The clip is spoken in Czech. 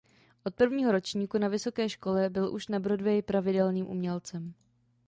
Od prvního ročníku na vysoké škole byl už na Broadwayi pravidelným umělcem.